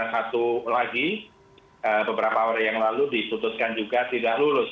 satu lagi beberapa hari yang lalu diputuskan juga tidak lulus